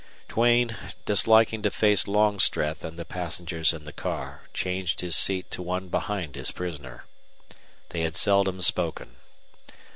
Duane, disliking to face Longstreth and the passengers in the car, changed his seat to one behind his prisoner. They had seldom spoken.